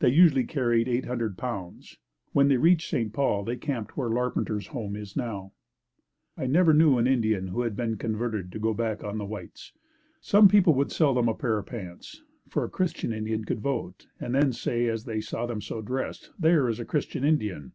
They usually carried eight hundred pounds. When they reached St. Paul they camped where Larpenteur's home now is. I never knew an Indian who had been converted to go back on the whites. Some people would sell them a pair of pants, for a Christian Indian could vote and then say as they saw them so dressed, "There is a Christian Indian."